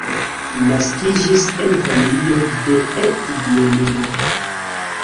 Naskiĝis en familio de et-bienulo.